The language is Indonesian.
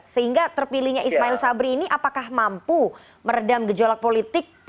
sehingga terpilihnya ismail sabri ini apakah mampu meredam gejolak politik